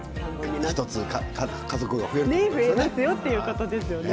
１つ家族が増えるということでね。